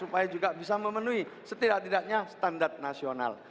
kita bisa memenuhi setidak tidaknya standar nasional